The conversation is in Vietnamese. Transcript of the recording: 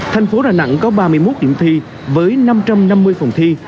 thành phố đà nẵng có ba mươi một điểm thi với năm trăm năm mươi phòng thi